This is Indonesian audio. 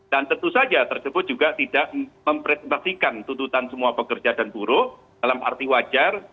dan tentu saja tersebut juga tidak memperspektifkan tuntutan semua pekerja dan buruh dalam arti wajar